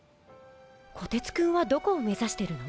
こてつくんはどこを目指してるの？